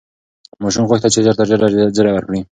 ماشوم غوښتل چې ژر تر ژره زېری ورکړي.